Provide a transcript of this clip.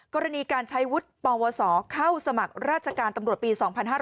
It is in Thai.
กรณีการใช้วุฒิปวสเข้าสมัครราชการตำรวจปี๒๕๕๙